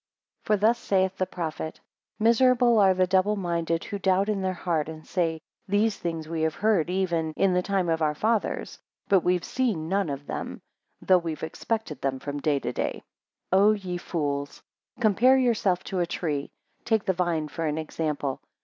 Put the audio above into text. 11 For thus saith the prophet; Miserable are the double minded, who doubt in their heart, and say, these things we have heard, even. in the time of our fathers, but we have seen none of them, though we have expected them from day to day. 12 O ye fools! compare yourselves to a tree; take the vine for an example.